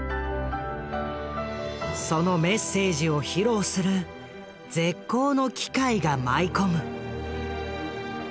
そのメッセージを披露する絶好の機会が舞い込む。